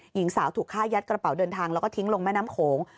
หญิงสาวถูกฆ่ายัดกระเป๋าเดินทางแล้วก็ทิ้งลงแม่น้ำโขง